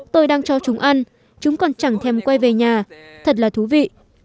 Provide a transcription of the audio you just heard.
tôi đang cho chúng ăn chúng còn chẳng thêm quay về nhà thật là thú vị